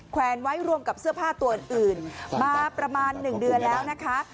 แวนไว้ร่วมกับเสื้อผ้าตัวอื่นมาประมาณ๑เดือนแล้วนะคะ